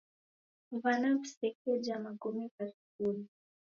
W'ana w'isekeja magome gha skulu.